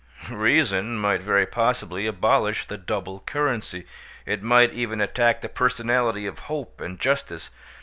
Reason might very possibly abolish the double currency; it might even attack the personality of Hope and Justice.